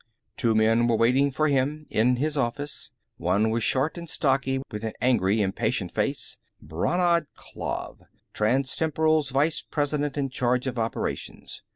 Two men were waiting for him, in his office. One was short and stocky, with an angry, impatient face Brannad Klav, Transtemporal's vice president in charge of operations.